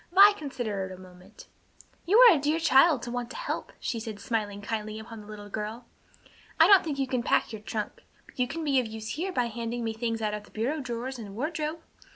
Vi considered a moment. "You are a dear child to want to help," she said, smiling kindly upon the little girl. "I don't think you can pack your trunk, but you can be of use here by handing me things out of the bureau drawers and wardrobe.